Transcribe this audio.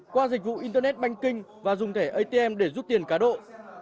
qua dịch vụ internet banh kinh và dùng thẻ atm để giúp tiền cá đậu